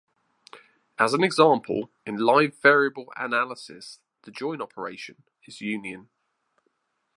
As an example, in live-variable analysis, the join operation is union.